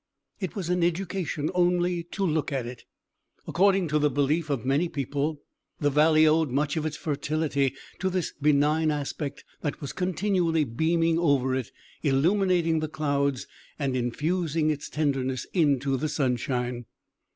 It was an education only to look at it. According to the belief of many people, the valley owed much of its fertility to this benign aspect that was continually beaming over it, illuminating the clouds, and infusing its tenderness into the sunshine.